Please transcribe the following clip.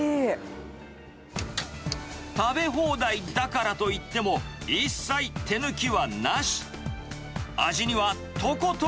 食べ放題だからといっても、一切手抜きはなし。